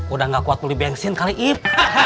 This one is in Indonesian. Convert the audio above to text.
udah gak kuat muli bensin kali ip